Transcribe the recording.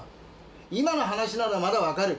今の話ならまだ分かる！